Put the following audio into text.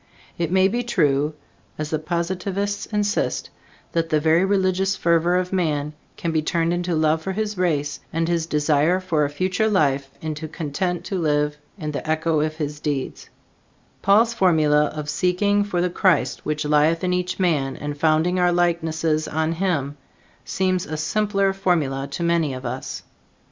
It may be true, as the Positivists insist, that the very religious fervor of man can be turned into love for his race, and his desire for a future life into content to live in the echo of his deeds; Paul's formula of seeking for the Christ which lieth in each man and founding our likenesses on him, seems a simpler formula to many of us.